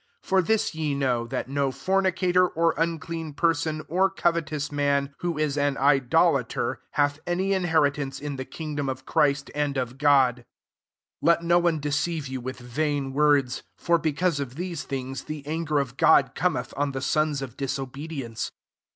5 For this ye know, that no for nicator, or unclean person, or covetousness man^ who is an idolater, hath any inheritance in the kingdom of Christ and of God. 6 Let no one deceive you with vain words: for because of these things the anger of God Cometh on the sons of dis obedience.